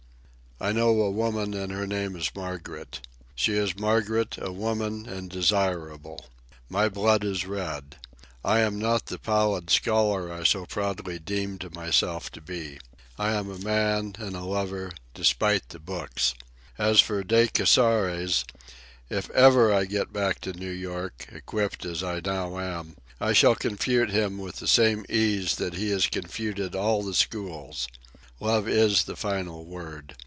I know a woman and her name is Margaret. She is Margaret, a woman and desirable. My blood is red. I am not the pallid scholar I so proudly deemed myself to be. I am a man, and a lover, despite the books. As for De Casseres—if ever I get back to New York, equipped as I now am, I shall confute him with the same ease that he has confuted all the schools. Love is the final word.